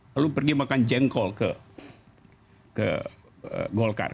lalu pergi makan jengkol ke golkar